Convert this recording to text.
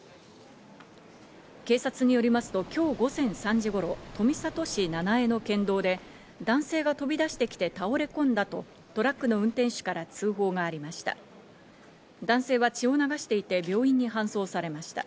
警察によりますと今日午前３時頃、富里市七栄の県道で、男性が飛び出してきて倒れ込んだとトラックの運転手から通報がありました。